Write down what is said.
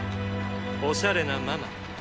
おしゃれなママ。